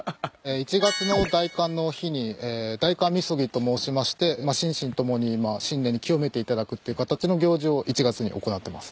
１月の大寒の日に大寒禊と申しまして心身ともに新年に清めていただくって形の行事を１月に行ってます。